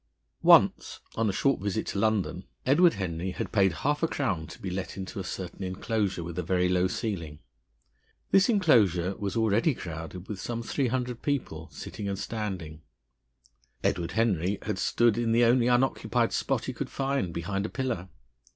Once, on a short visit to London, Edward Henry had paid half a crown to be let into a certain enclosure with a very low ceiling. This enclosure was already crowded with some three hundred people, sitting and standing. Edward Henry had stood in the only unoccupied spot he could find, behind a pillar.